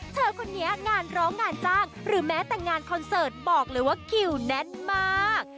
เธอคนนี้งานร้องงานจ้างหรือแม้แต่งานคอนเสิร์ตบอกเลยว่าคิวแน่นมาก